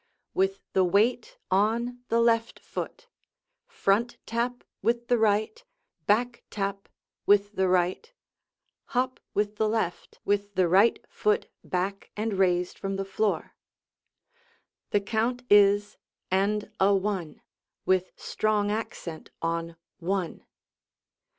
With the weight on the left foot, front tap with the right, back tap with the right, hop with the left, with the right foot back and raised from the floor. The count is "And a one," with strong accent on "one."